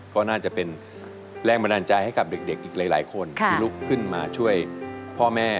ก็น่าจะเป็นแรงบันดาลใจให้กับเด็กอีกหลายคนที่ลุกขึ้นมาช่วยพ่อแม่